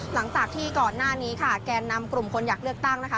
หลังจากที่ก่อนหน้านี้ค่ะแกนนำกลุ่มคนอยากเลือกตั้งนะคะ